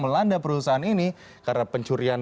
melanda perusahaan ini karena pencurian